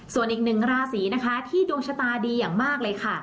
ส่วนอีกหนึ่งราศีนะคะที่ดวงชะตาดีอย่างมากเลยค่ะ